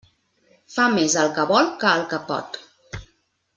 Fa més el que vol que el que pot.